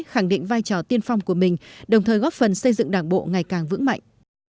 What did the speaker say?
khẳng định vai trò tiên phong của mình đồng thời góp phần xây dựng đảng bộ ngày càng vững mạnh